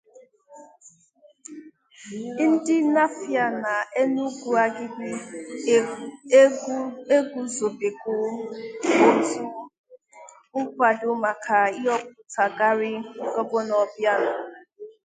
Ndị Nawfịa na Enugwu-Agịdị Eguzobego Otu Nkwado Maka Ịhọpụtagharị Gọvanọ Obianọ